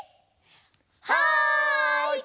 はい！